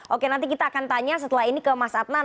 oke nanti kita akan tanya setelah ini ke mas adnan